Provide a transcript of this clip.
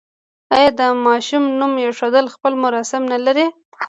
آیا د ماشوم نوم ایښودل خپل مراسم نلري؟